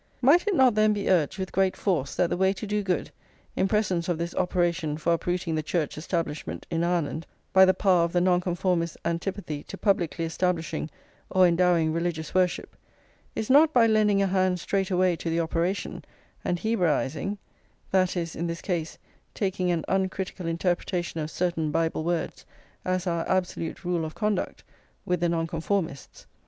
Might it not, then, be urged with great force that the way to do good, in presence of this operation for uprooting the Church establishment in Ireland by the power of the Nonconformists' antipathy to publicly establishing or endowing religious worship, is not by lending a hand straight away to the operation, and Hebraising, that is, in this case, taking an uncritical interpretation of certain Bible words as our absolute rule of conduct, with the Nonconformists.